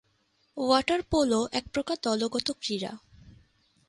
Water polo এক প্রকার দলগত ক্রীড়া।